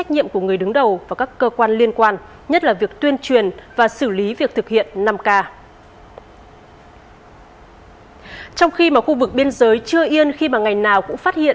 cũng khuyến khích